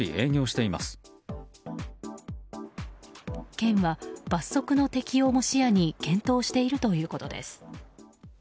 県は、罰則の適用も視野に検討しているということです。